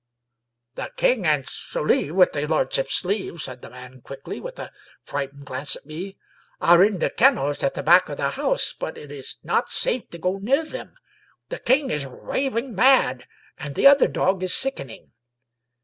"The King and Sully — with the lordship's leave," said the man quickly, with a frightened glance at me —" are in the kennels at the back of the house, but it is not safe to go near them. The King is raving mad, and — and the other dog is sickening.